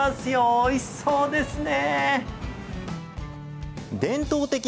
おいしそうですね。